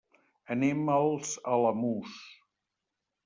Anem als Alamús.